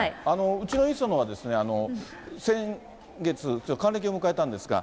うちのいそのは先月ちょっと還暦を迎えたんですが。